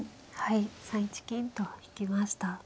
はい３一金と引きました。